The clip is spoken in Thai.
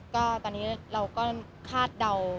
ก็ตอนนี้เราก็คาดเดา